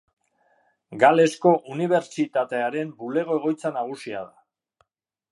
Galesko Unibertsitatearen bulego-egoitza nagusia da.